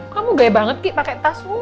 kamu gaya banget kiki pakai tas